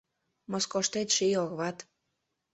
Москоштет ший орват